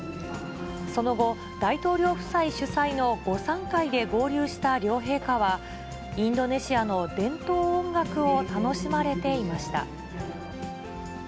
その後、大統領夫妻主催の午さん会で合流した両陛下は、インドネシアの伝統音楽を楽しまれていました。